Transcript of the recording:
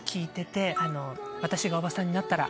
「私がオバさんになったら」